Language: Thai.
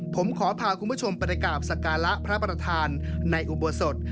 ผมขอพาคุณผู้ชมไปกราบสการะพระประธานในอุโบสถ